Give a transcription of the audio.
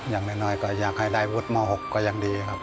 อย่างน้อยก็อยากให้ได้วุฒิม๖ก็ยังดีครับ